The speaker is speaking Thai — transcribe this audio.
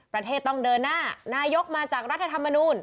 ประเทศต้องเดินหน้านายกมาจากรัฐธรรมนูล